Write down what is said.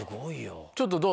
ちょっとどう？